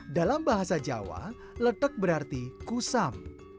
dalam bahasa jawa letek berarti kusam